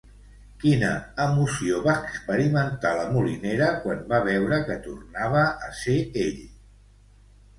Quina emoció va experimentar la Molinera quan va veure que tornava a ser ell?